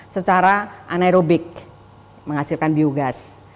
secara anaerobik menghasilkan biogas